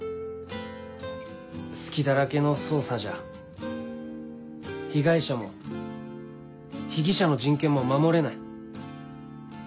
隙だらけの捜査じゃ被害者も被疑者の人権も守れない。